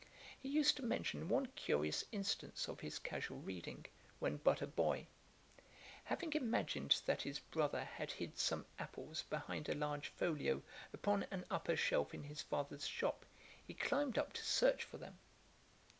He used to mention one curious instance of his casual reading, when but a boy. Having imagined that his brother had hid some apples behind a large folio upon an upper shelf in his father's shop, he climbed up to search for them.